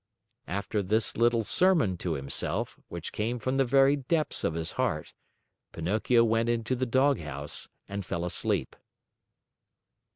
After this little sermon to himself, which came from the very depths of his heart, Pinocchio went into the doghouse and fell asleep.